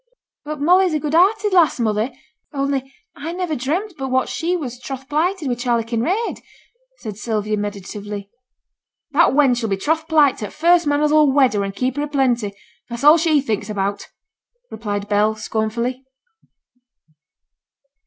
'But Molly's a good hearted lass, mother. Only I never dreamt but what she was troth plighted wi' Charley Kinraid,' said Sylvia, meditatively. 'That wench 'll be troth plight to th' first man as 'll wed her and keep her i' plenty; that's a' she thinks about,' replied Bell, scornfully.